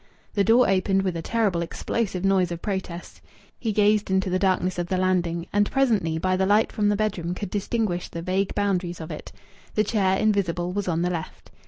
The door opened with a terrible explosive noise of protest. He gazed into the darkness of the landing, and presently, by the light from the bedroom, could distinguish the vague boundaries of it. The chair, invisible, was on the left.